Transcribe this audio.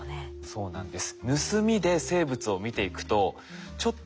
そうなんです。